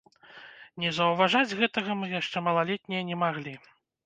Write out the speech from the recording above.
Не заўважаць гэтага мы, яшчэ малалетнія, не маглі.